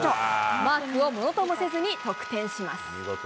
マークをものともせずに得点します。